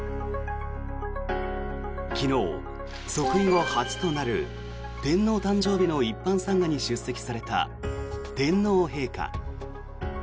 昨日、即位後初となる天皇誕生日の一般参賀に出席された天皇陛下。